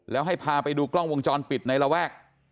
แล้วให้พาไปดูกล้องวงจรปิดในระแวก